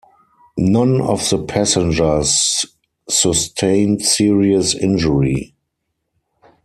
None of the passengers sustained serious injury.